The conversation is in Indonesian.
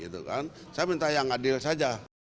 saya minta yang adil saja